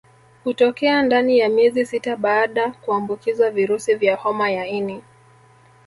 Hutokea ndani ya miezi sita baada kuambukizwa virusi vya homa ya ini